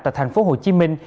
tại thành phố hồ chí minh